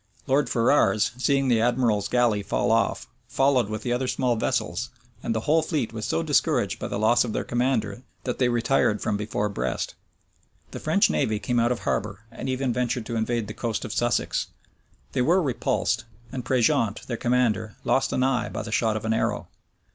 [*] Lord Ferrars, seeing the admiral's galley fall off, followed with the other small vessels; and the whole fleet was so discouraged by the loss of their commander, that they retired from before Brest.[] The French navy came out of harbor, and even ventured to invade the coast of Sussex. They were repulsed, and Prejeant, their commander, lost an eye by the shot of an arrow.